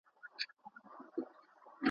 که مي ازل ستا پر لمنه سجدې کښلي نه وې ,